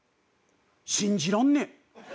信じらんね。